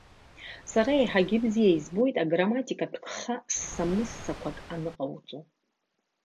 Сара еиҳагьы бзиа избоит аграмматикатә гха сса-мыссақәак аныҟоуҵо.